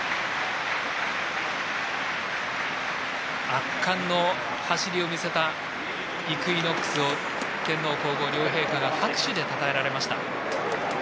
圧巻の走りを見せたイクイノックスを天皇・皇后両陛下が拍手でたたえられました。